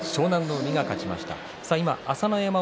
海が勝ちました。